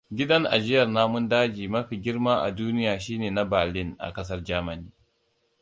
Gidan ajiyar namun daji mafi girma a duniya shine na Berlin, a ƙasar Germany.